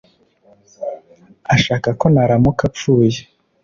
ashaka ko naramuka apfuye,